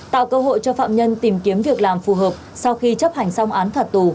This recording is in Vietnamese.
tạo cơ hội cho phạm nhân